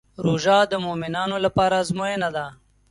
روژه د مؤمنانو لپاره ازموینه ده.